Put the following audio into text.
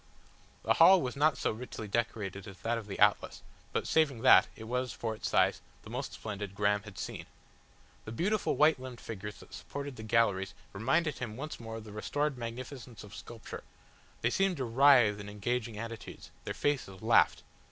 The hall was not so richly decorated as that of the Atlas, but saving that, it was, for its size, the most splendid Graham had seen. The beautiful white limbed figures that supported the galleries reminded him once more of the restored magnificence of sculpture; they seemed to writhe in engaging attitudes, their faces laughed.